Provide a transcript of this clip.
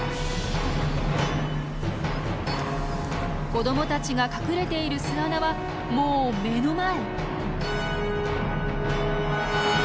子どもたちが隠れている巣穴はもう目の前。